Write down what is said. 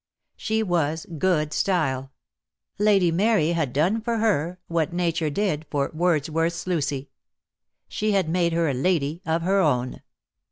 She was good style. Lady Mary had done for her what Nature did for Wordsworth's Lucy. She had made her a lady of her own.